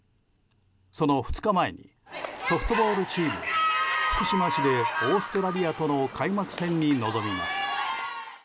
その２日前にソフトボールチームは福島市でオーストラリアとの開幕戦に臨みます。